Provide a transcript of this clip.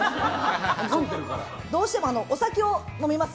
どうしてもお酒を飲みます。